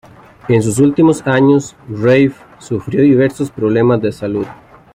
En sus últimos años, Raye sufrió diversos problemas de salud.